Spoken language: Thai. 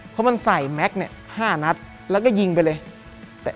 เพราะว่ามันใส่แมค๕นัทแล้วหยิงไปเลย